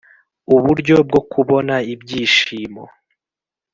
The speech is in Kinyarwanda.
Uburyo bwo kubona ibyishimo